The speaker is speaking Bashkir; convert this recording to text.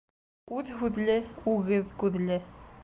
Үҙ һүҙле, үгеҙ күҙле.